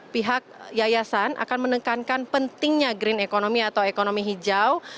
pihak yayasan akan menekankan pentingnya green economy atau ekonomi hijau